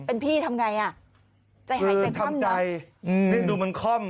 เป็นพี่ทำไงอ่ะใจหายใจทำหน่อยคือทำใจอืมนี่ดูมันคล่อม